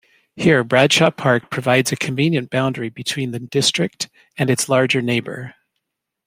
Here, Barshaw Park provides a convenient boundary between the district and its larger neighbour.